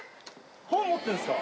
本持ってんすか？